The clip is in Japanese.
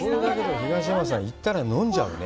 東山さん、行ったら飲んじゃうね。